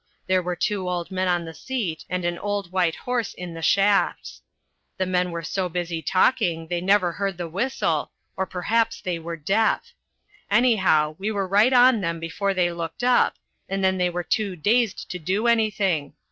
There were two old men on the seat and an old white horse in the shafts. The men were so busy talking they never heard the whistle, or perhaps they were deaf. Anyhow, we were right on them before they looked up, and then they were too dazed to do anything.